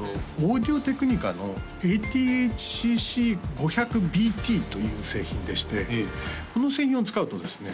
オーディオテクニカのＡＴＨ−ＣＣ５００ＢＴという製品でしてこの製品を使うとですね